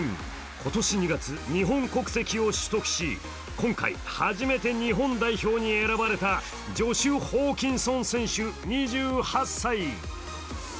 今年２月、日本国籍を取得し今回初めて日本代表に選ばれたジョシュ・ホーキンソン選手、２８歳。